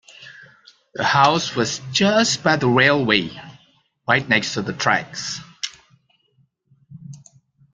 The house was just by the railway, right next to the tracks